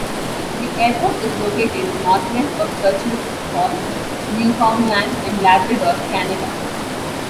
The airport is located northwest of Churchill Falls, Newfoundland and Labrador, Canada.